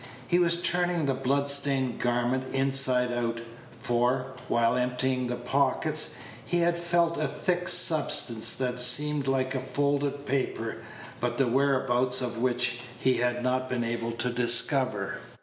He was turning the blood stained garment inside out; Page 129 for, while emptying the pockets, he had felt a thick substance that seemed like a folded paper, but the whereabouts of which he had not been able to discover.